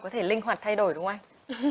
có thể linh hoạt thay đổi đúng không anh